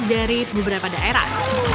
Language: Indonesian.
dari beberapa daerah